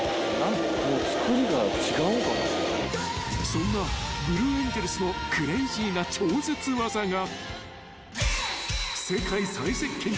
［そんなブルー・エンジェルスのクレージーな超絶技が］